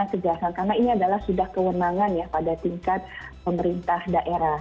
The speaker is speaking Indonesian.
karena ini adalah sudah kewenangan ya pada tingkat pemerintah daerah